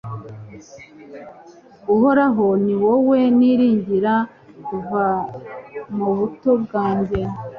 Uhoraho ni wowe niringira kuva mu buto bwanjye